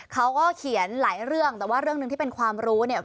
เขาก็เขียนหลายเรื่องแต่ว่าเรื่องหนึ่งที่เป็นความรู้เนี่ย